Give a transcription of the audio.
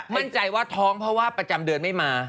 มั่นใจว่าท้องเพราะว่าประจำเดือนไม่มา